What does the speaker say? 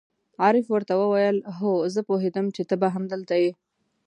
عارف ور ته وویل: هو، زه پوهېدم چې ته به همدلته یې.